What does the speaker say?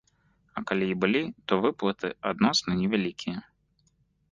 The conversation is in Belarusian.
А калі і былі, то выплаты адносна невялікія.